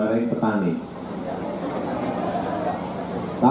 kalau harga beras turun saya itu dimarahi petani